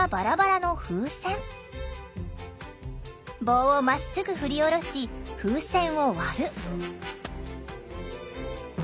棒をまっすぐ振り下ろし風船を割る。